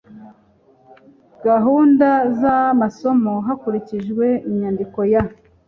gahunda z amasomo hakurikijwe inyandiko ya